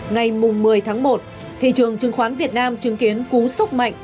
ngày một mươi tháng một thị trường chứng khoán việt nam chứng kiến cú sốc mạnh